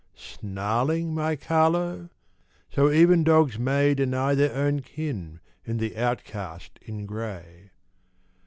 snarling, my Carlo! So even dogs may Deny their own kin in the outcast in gray.